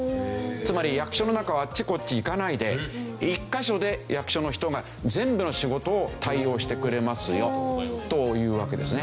つまり役所の中をあっちこっち行かないで１カ所で役所の人が全部の仕事を対応してくれますよというわけですね。